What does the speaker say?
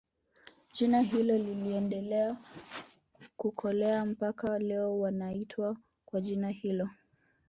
Jina hilo likaendelea kukolea mpaka leo wanaitwa kwa jina hilo